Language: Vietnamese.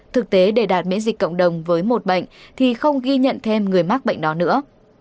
thực tế để đạt miễn dịch cộng đồng với một bệnh thì không ghi nhận thêm người mắc bệnh đó nữa